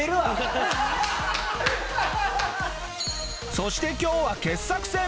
そして今日は傑作選。